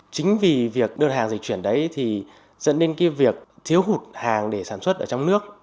chính vì việc đơn hàng dịch chuyển đấy thì dẫn đến việc thiếu hụt hàng để sản xuất ở trong nước